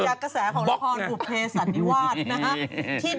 กระแสของละครบุเภสันนิวาสนะฮะ